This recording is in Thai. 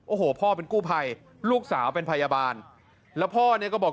โอ้โหพ่อเป็นกู้ภัยลูกสาวเป็นพยาบาลแล้วพ่อเนี่ยก็บอก